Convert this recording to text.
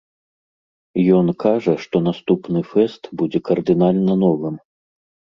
Ён кажа што, наступны фэст будзе кардынальна новым.